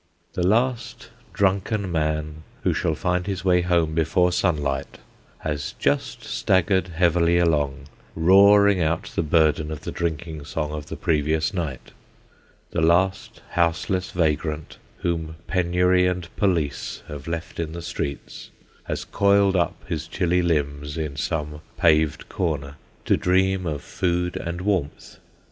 The last drunken man, who shall find his way home before sunlight, has just staggered heavily along, roaring out the burden of the drink ing song of the previous night : the last houseless vagrant whom penury and police have left in the streets, has coiled up his chilly limbs in some paved corner, to dream of food and warmth.